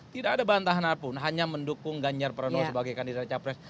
tidak ada bantahan apapun hanya mendukung ganjar pranowo sebagai kandidat capres